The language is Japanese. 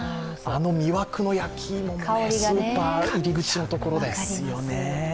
あの魅惑の焼き芋、スーパー入り口のところで。